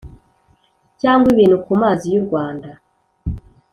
cyangwa ibintu ku mazi y’ u rwanda